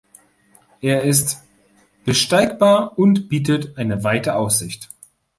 Er ist besteigbar und bietet eine weite Aussicht.